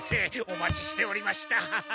お待ちしておりました。